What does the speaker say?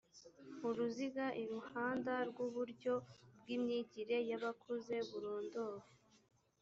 uruziga iruhanda rw uburyo bw imyigire y abakuze burondowe